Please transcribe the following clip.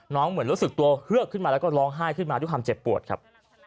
เหมือนรู้สึกตัวเฮือกขึ้นมาแล้วก็ร้องไห้ขึ้นมาด้วยความเจ็บปวดครับ